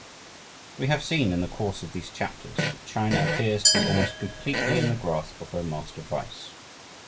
We have seen, in the course of these chapters, that China appears to be almost completely in the grasp of her master vice.